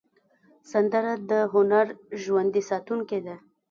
سندره د هنر ژوندي ساتونکی ده